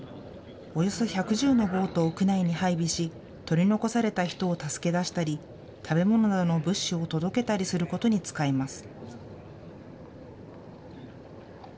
およそ１１０のボートを区内に配備し取り残された人を助け出したり食べ物などの物資を届けたりすることに使います。